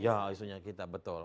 iya iso nya kita betul